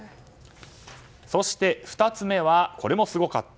そして、２つ目はこれもすごかった。